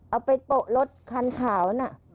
เอาไปโปะรถคันขาวน่ะ